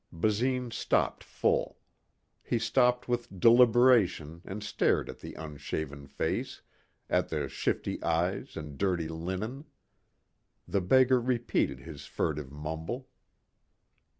Basine stopped full. He stopped with deliberation and stared at the unshaven face, at the shifty eyes and dirty linen. The beggar repeated his furtive mumble.